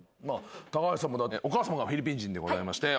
高橋さんもお母さまがフィリピン人でございまして。